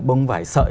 bông vải sợi